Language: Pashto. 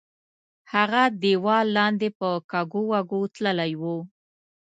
هغه دیوال لاندې په کږو وږو تللی وو.